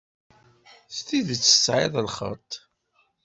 S tidet tesεiḍ lxeṭṭ.